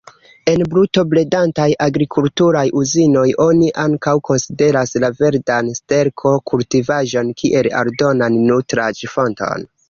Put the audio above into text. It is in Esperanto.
En bruto-bredantaj agrikulturaj uzinoj, oni ankaŭ konsideras la verdan sterko-kultivaĵojn kiel aldonan nutraĵ-fonton.